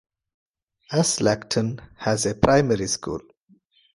Aslacton has a primary school.